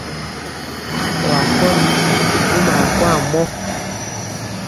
Ɔwa kɔli i gwomɔ akwaa mɔ.